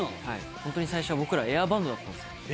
本当に最初、僕ら、エアバンドだったんですよ。